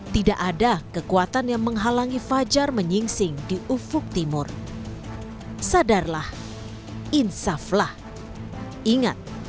tidak ada kekuatan yang menghalangi fajar menyingsing di ufuk timur sadarlah insaflah ingat